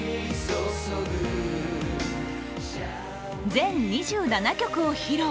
全２７曲を披露。